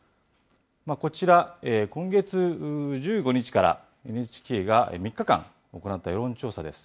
こちら、今月１５日からＮＨＫが３日間行った世論調査です。